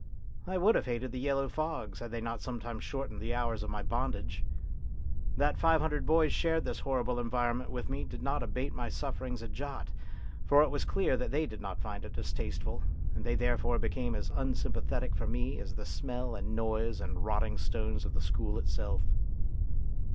I would have hated the yellow fogs had they not sometimes shortened the hours of my bondage. That five hundred boys shared this horrible environment with me did not abate my sufferings a jot ; for it was clear that they did not find it distasteful, and they therefore became as unsympathetic for me as the smell and noise and rotting stones of the school itself.